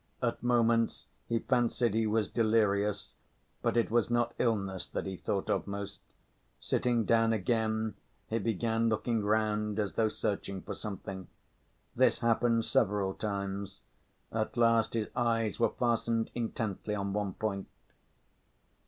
At moments he fancied he was delirious, but it was not illness that he thought of most. Sitting down again, he began looking round, as though searching for something. This happened several times. At last his eyes were fastened intently on one point.